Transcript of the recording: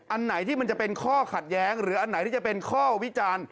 อันไหนที่มันจะเป็นข้อขัดแย้งหรืออันไหนที่จะเป็นข้อวิจารณ์